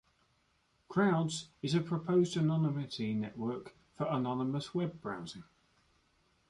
Crowds is a proposed anonymity network for anonymous web browsing.